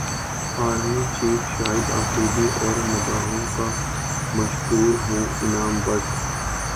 army چیفشاہد Afridi اور مداحوں کا مشکور ہوں انعام بٹ